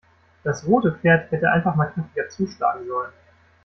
Das rote Pferd hätte einfach mal kräftiger zuschlagen sollen.